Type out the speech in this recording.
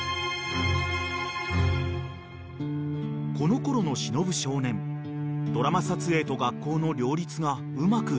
［このころの忍少年ドラマ撮影と学校の両立がうまくできず］